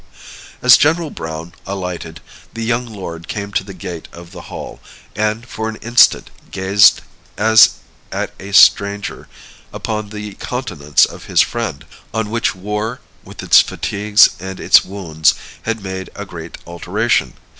As General Browne alighted, the young lord came to the gate of the hall, and for an instant gazed, as at a stranger, upon the countenance of his friend, on which war, with its fatigues and its wounds, had made a great alteration.